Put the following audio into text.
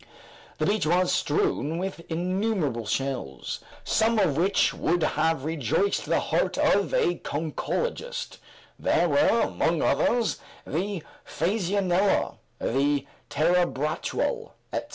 The beach was strewn with innumerable shells, some of which would have rejoiced the heart of a conchologist; there were, among others, the phasianella, the terebratual, etc.